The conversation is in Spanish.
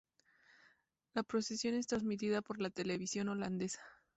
La procesión es transmitida por la televisión holandesa.